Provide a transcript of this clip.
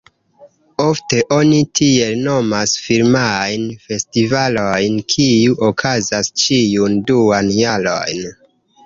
Ofte oni tiel nomas filmajn festivalojn, kiuj okazas ĉiun duan jaron.